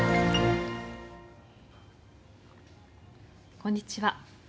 こんにちは。